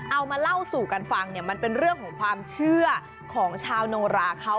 เอามาเล่าสู่กันฟังเนี่ยมันเป็นเรื่องของความเชื่อของชาวโนราเขา